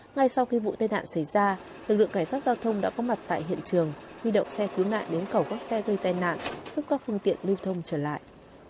ngay sau khi vụ tai nạn xảy ra lực lượng cảnh sát giao thông đã có mặt tại hiện trường huy động xe cứu nạn đến cầu các xe gây tai nạn giúp các phương tiện lưu thông trở lại